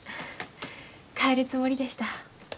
帰るつもりでした。